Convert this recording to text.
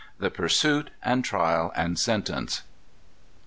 The Pursuit, and Trial and Sentence.